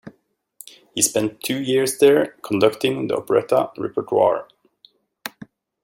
He spent two years there, conducting the operetta repertoire.